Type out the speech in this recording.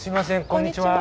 こんにちは。